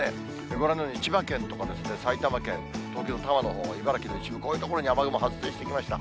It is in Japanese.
ご覧のように、千葉県とか埼玉県、東京の多摩のほう、茨城の一部、こういった所に雨雲、発生してきました。